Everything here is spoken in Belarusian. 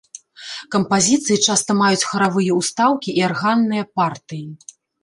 Кампазіцыі часта маюць харавыя ўстаўкі і арганныя партыі.